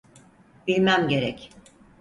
Bilmem gerek.